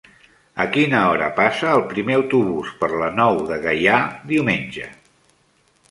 A quina hora passa el primer autobús per la Nou de Gaià diumenge?